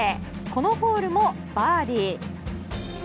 このホールもバーディー。